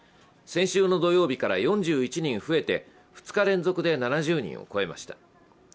先週の土曜日から４１人増えて、２日連続で７０人を超えました。